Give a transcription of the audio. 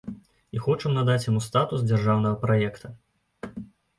І хочам надаць яму статус дзяржаўнага праекта.